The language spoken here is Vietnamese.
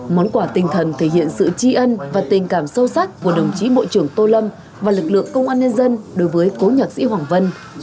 món quà tinh thần thể hiện sự tri ân và tình cảm sâu sắc của đồng chí bộ trưởng tô lâm và lực lượng công an nhân dân đối với cố nhạc sĩ hoàng vân